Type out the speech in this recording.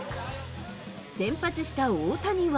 先発した大谷は。